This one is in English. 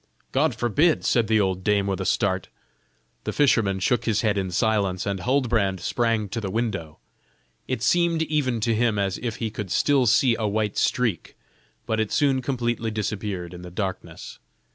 "God forbid," said the old dame with a start; the fisherman shook his head in silence, and Huldbrand sprang to the window. It seemed even to him as if he could still see a white streak, but it soon completely disappeared in the darkness.